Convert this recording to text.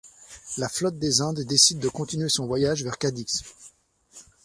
La flotte des Indes décide de continuer son voyage vers Cadix.